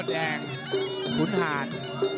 แบบแดงฝุนหาด